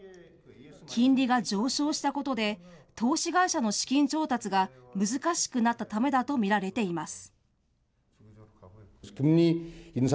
金利が上昇したことで、投資会社の資金調達が難しくなったためだと見られています。